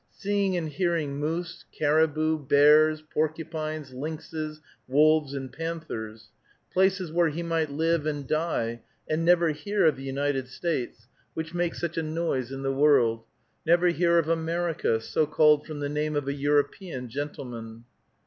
Seeing and hearing moose, caribou, bears, porcupines, lynxes, wolves, and panthers. Places where he might live and die and never hear of the United States, which make such a noise in the world, never hear of America, so called from the name of a European gentleman.